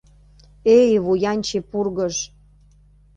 Эй, вуянче пургыж.